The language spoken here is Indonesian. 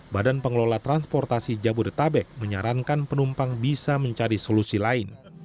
badan pengelola transportasi jabodetabek menyarankan penumpang bisa mencari solusi lain